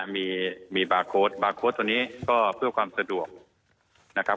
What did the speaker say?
มีบาร์โค้ดบาร์โค้ดตัวนี้ก็เพื่อความสะดวกนะครับ